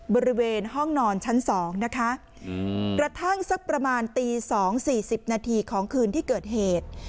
บริเวณห้องนอนชั้น๒นะคะกระทั่งสักประมาณตี๒๔๐นาทีของคืนที่เกิดเหตุ